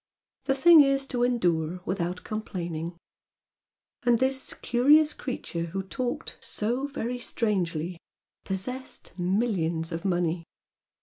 The thing is to endure without complaining!" "And this curious creature who talked "so very strangely," possessed millions of money!